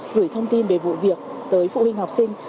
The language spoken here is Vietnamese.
gửi thông tin về vụ việc tới phụ huynh học sinh